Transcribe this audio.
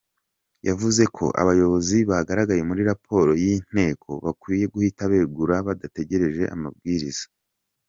Yavuze ko abayobozi bagaragaye muri raporo y’Inteko bakwiye guhita begura badategereje amabwiriza.